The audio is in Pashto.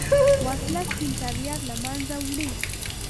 وسله شین طبیعت له منځه وړي